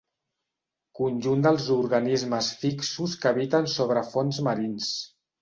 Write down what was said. Conjunt dels organismes fixos que habiten sobre fons marins.